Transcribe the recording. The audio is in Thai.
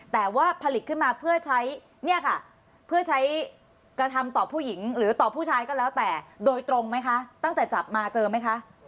แต่ว่าผลิตขึ้นมาเพื่อใช้เนี่ยค่ะเพื่อใช้กระทำต่อผู้หญิงหรือต่อผู้ชายก็แล้วแต่โดยตรงไหมคะตั้งแต่จับมาเจอไหมคะ